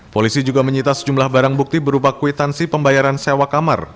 polisi juga menyita sejumlah barang bukti berupa kwitansi pembayaran sewa kamar